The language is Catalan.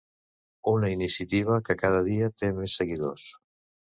Una iniciativa que cada dia té més seguidors.